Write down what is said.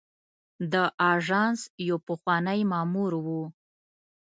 د آژانس یو پخوانی مامور و.